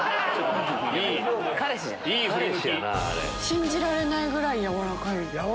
信じられないぐらい軟らかいです。